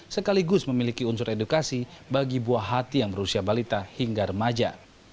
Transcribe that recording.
sekaligus memiliki unsur edukasi bagi buah hati yang berusia balita hingga remaja